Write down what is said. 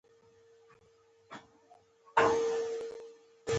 هغه بهلول ته شکايت وکړ.